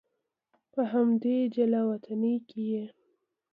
په همدې جلا وطنۍ کې یې.